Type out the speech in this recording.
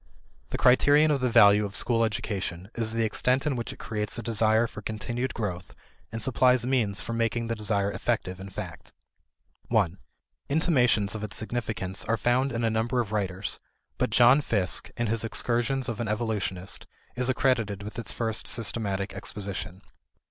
The criterion of the value of school education is the extent in which it creates a desire for continued growth and supplies means for making the desire effective in fact. 1 Intimations of its significance are found in a number of writers, but John Fiske, in his Excursions of an Evolutionist, is accredited with its first systematic exposition.